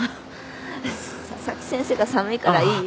佐々木先生が寒いからいいよ。